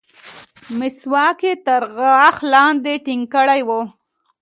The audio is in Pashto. مسواک يې تر غاښ لاندې ټينګ کړى و.